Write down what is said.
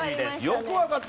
よくわかったね。